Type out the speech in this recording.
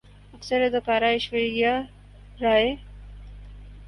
اکثر اداکارہ ایشوریا رائے